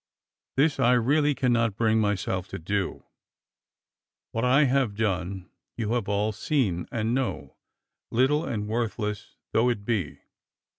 This I really cannot bring myself to do. AMiat I have done, you have all seen and know, little and worthless though it be.